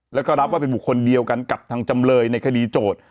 แล้วก็รับว่าเป็นบุคคลเดียวกันกับทางจำเลยในคดีโจทย์